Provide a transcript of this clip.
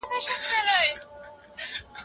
د سیاسي بنسټونو واک او زور پیاوړی کړئ.